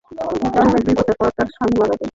জন্মের দুই বছর পর তাঁর স্বামী মারা যান।